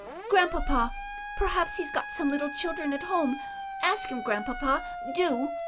"Grandpapa, perhaps he's got some little children at home; ask him, Grandpapa, do."